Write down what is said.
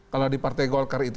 kalau di partai golkar itu